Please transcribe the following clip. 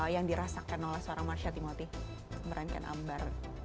yang dirasakan oleh seorang marsha timoti memerankan ambar